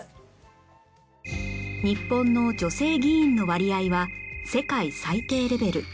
日本の女性議員の割合は世界最低レベル